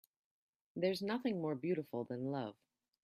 There's nothing more beautiful than love.